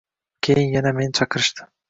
Keyin yana meni chaqirishdi.